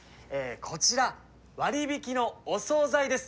こちら割引のお総菜です。